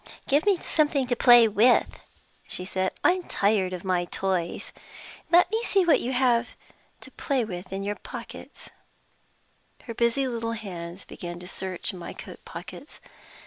"Give me something to play with," she said. "I'm tired of my toys. Let me see what you have got in your pockets." Her busy little hands began to search in my coat pockets.